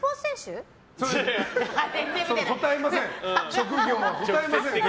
職業は答えません。